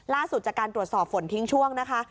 ล่าสุดจากการตรวจสอบฝนทิ้งช่วงนะคะ